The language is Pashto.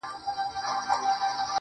نن دي دواړي سترگي سرې په خاموشۍ كـي~